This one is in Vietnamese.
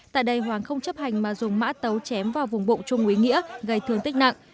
tại đây hoàng không chấp hành mà dùng mã tấu chém vào vùng bụng trung úy nghĩa gây thương tích nặng